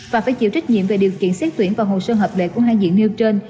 và phải chịu trách nhiệm về điều kiện xét tuyển vào hồ sơ hợp lệ của hai diện nêu trên